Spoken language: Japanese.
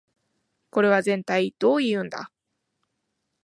これはぜんたいどういうんだ